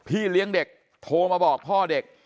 พี่เลี้ยงเด็กโทรมาบอกพ่อเด็ก